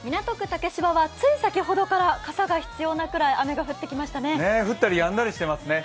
竹芝はつい先ほどから傘が必要なくらい雨が降ってきましたね。